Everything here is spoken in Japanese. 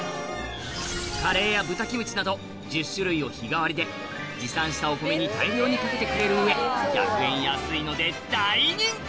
カレーや豚キムチなど１０種類を日替わりで持参したお米に大量にかけてくれる上１００円安いので大人気！